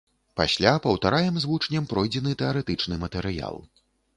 Пасля паўтараем з вучнем пройдзены тэарэтычны матэрыял.